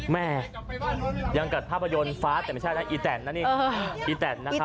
แม่ยังกัดภาพยนตร์ฟ้าแต่ไม่ใช่นะอีแตนนะนี่อีแตนนะครับ